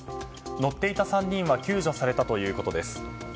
乗っていた３人は救助されたということです。